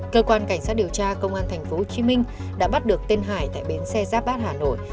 cơ quan cảnh sát điều tra công an tp hcm đã bắt được tên hải tại bến xe giáp bát hà nội